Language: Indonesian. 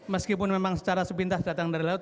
meskipun memang secara sepintas datang dari laut